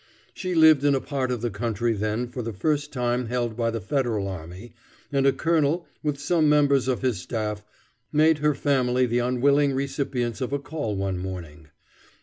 She lived in a part of the country then for the first time held by the Federal army, and a colonel, with some members of his staff, made her family the unwilling recipients of a call one morning.